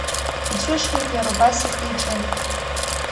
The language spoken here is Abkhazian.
Ицәышхеит иара убас ихы-иҿы.